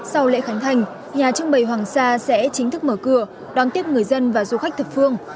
sau lễ khánh thành nhà trưng bày hoàng sa sẽ chính thức mở cửa đón tiếp người dân và du khách thập phương